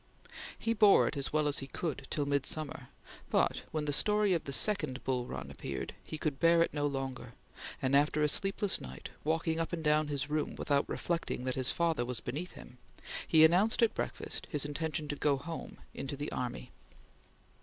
He bore it as well as he could till midsummer, but, when the story of the second Bull Run appeared, he could bear it no longer, and after a sleepless night, walking up and down his room without reflecting that his father was beneath him, he announced at breakfast his intention to go home into the army.